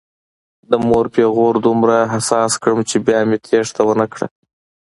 د مور پیغور دومره حساس کړم چې بیا مې تېښته ونه کړه.